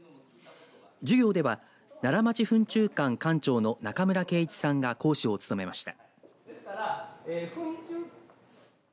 授業では、ならまち糞虫館館長の中村圭一さんが講師を務めました。